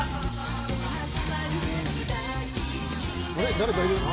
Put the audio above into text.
誰かいる。